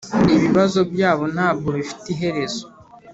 Ibibazo byabo ntabwo bifite iherezo